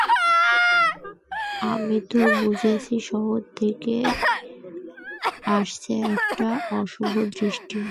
অমিত বুঝেছে, শহর থেকে আসছে একটা অশুভ দৃষ্টি।